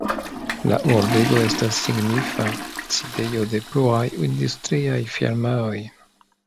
La urbego estas signifa sidejo de pluraj industriaj firmaoj.